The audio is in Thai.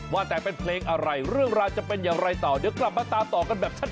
ว่าแต่เป็นเพลงอะไรเรื่องราวจะเป็นอย่างไรต่อเดี๋ยวกลับมาตามต่อกันแบบชัด